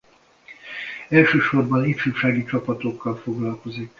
Elsősorban ifjúsági csapatokkal foglalkozik.